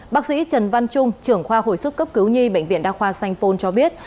bác sĩ trần văn trung trưởng khoa hồi sức cấp cứu nhi bệnh viện đa khoa sanh pôn cho biết